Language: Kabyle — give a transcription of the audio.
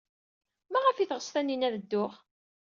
Maɣef ay teɣs Taninna ad dduɣ?